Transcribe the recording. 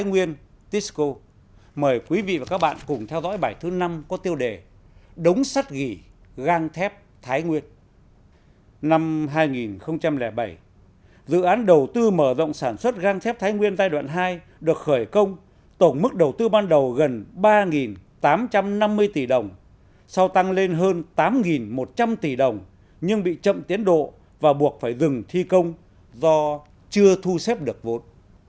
năm hai nghìn bảy dự án đầu tư mở rộng sản xuất găng thép thái nguyên giai đoạn hai được khởi công tổng mức đầu tư ban đầu gần ba tám trăm năm mươi tỷ đồng sau tăng lên hơn tám một trăm linh tỷ đồng nhưng bị chậm tiến độ và buộc phải dừng thi công do chưa thu xếp được vốn